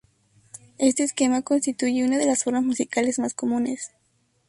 Este esquema constituye una de las formas musicales más comunes.